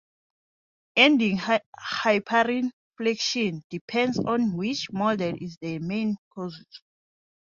Ending hyperinflation depends on which model is the main cause.